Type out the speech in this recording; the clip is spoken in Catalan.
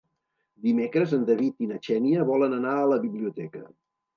Dimecres en David i na Xènia volen anar a la biblioteca.